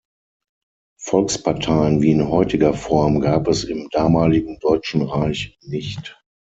Volksparteien wie in heutiger Form gab es im damaligen Deutschen Reich nicht.